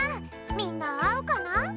みんなあうかな？